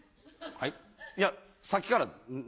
はい。